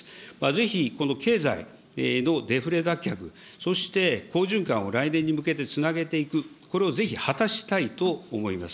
ぜひこの経済のデフレ脱却、そして好循環を来年に向けてつなげていく、これをぜひ果たしたいと思います。